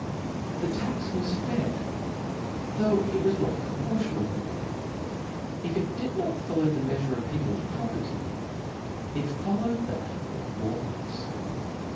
The tax was fair, though it was not proportionable : if it did not follow the meafure of people's property, it fol lowed that of their wants.